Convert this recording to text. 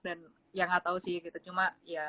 dan ya gak tau sih gitu cuma